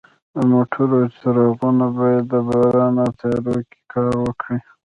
د موټرو څراغونه باید د باران او تیارو کې کار وکړي.